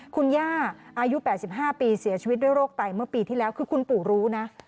คุณย่าอายุ๘๕ปีเสียชีวิตด้วยโรคไตเมื่อปีที่แล้วคือคุณปู่รู้นะ